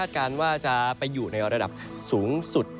การว่าจะไปอยู่ในระดับสูงสุด